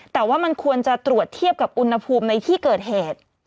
แต่ว่ามันควรจะตรวจเทียบกับอุณหภูมิในที่เกิดเหตุ